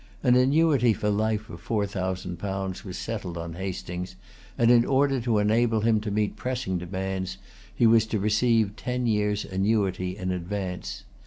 An annuity for life of four thousand pounds was settled on Hastings; and in order to enable him to meet pressing demands, he was to receive ten years' annuity in advance.